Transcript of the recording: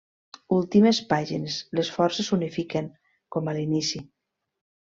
Últimes pàgines, les forces s'unifiquen, com a l'inici.